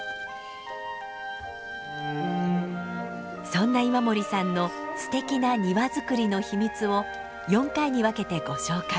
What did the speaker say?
そんな今森さんのすてきな庭づくりの秘密を４回に分けてご紹介。